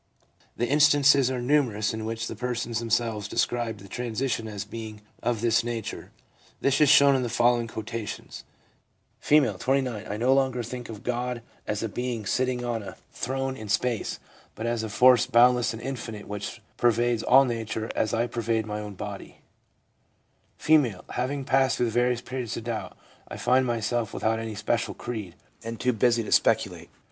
The instances are numerous in which the persons themselves described the transition as being of this nature. This is shown in the following quotations : F., 29. ' I no longer think of God as a being sitting on a 2 9 o THE PSYCHOLOGY OF RELIGION throne in space, but as a force boundless and infinite which pervades all nature as I pervade my own body/ F. ' Having passed through various periods of doubt, I find myself without any especial creed, and too busy to speculate.